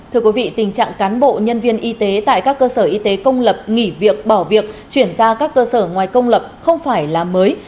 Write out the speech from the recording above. thưa quý vị tình trạng cán bộ nhân viên y tế tại các cơ sở y tế công lập nghỉ việc bỏ việc chuyển ra các cơ sở ngoài công lập không phải là mới